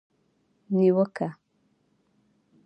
نیوکه